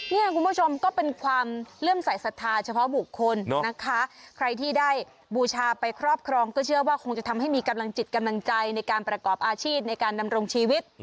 เนี่ยคุณผู้ชมก็เป็นความเลื่อมสายศรัทธาเฉพาะบุคคลนะคะใครที่ได้บูชาไปครอบครองก็เชื่อว่าคงจะทำให้มีกำลังจิตกำลังใจในการประกอบอาชีพในการดำรงชีวิต